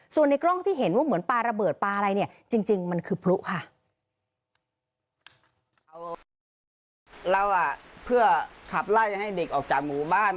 ส่วนในกล้องที่เห็นว่าเหมือนปลาระเบิดปลาอะไรเนี่ย